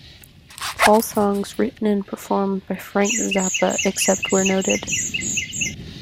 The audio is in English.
All songs written and performed by Frank Zappa, except where noted.